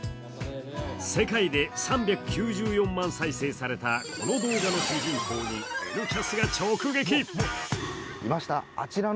世界で３９４万再生されたこの動画の主人公に「Ｎキャス」が直撃。